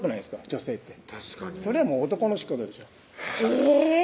女性ってそれは男の仕事でしょえぇ！